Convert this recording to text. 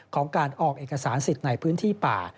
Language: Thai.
ของการออกเอกสารสิทธิ์ในพื้นที่ป่า